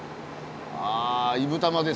あ「いぶたま」ですね。